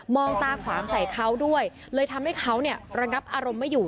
องตาขวางใส่เขาด้วยเลยทำให้เขาเนี่ยระงับอารมณ์ไม่อยู่